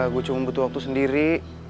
gue cuma butuh waktu sendiri